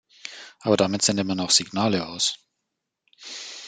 Aber damit sendet man auch Signale aus.